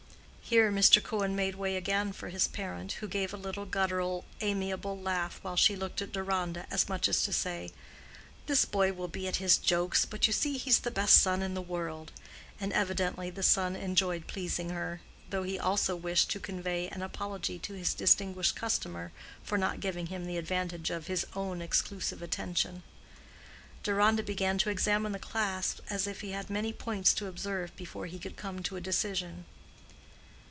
Here Mr. Cohen made way again for his parent, who gave a little guttural, amiable laugh while she looked at Deronda, as much as to say, "This boy will be at his jokes, but you see he's the best son in the world," and evidently the son enjoyed pleasing her, though he also wished to convey an apology to his distinguished customer for not giving him the advantage of his own exclusive attention. Deronda began to examine the clasps as if he had many points to observe before he could come to a decision.